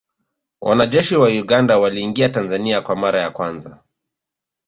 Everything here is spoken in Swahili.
Wanajeshi wa Uganda waliingia Tanzania kwa mara ya kwanza